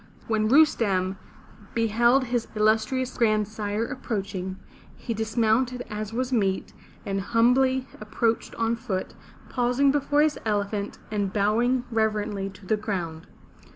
When Rustem beheld his illustrious grandsire approaching, he dismounted as was meet, and humbly approached on foot, pausing before his elephant, and bowing reverently to the ground.